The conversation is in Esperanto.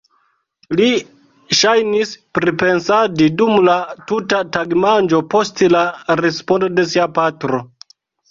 Li ŝajnis pripensadi dum la tuta tagmanĝo post la respondo de sia patro.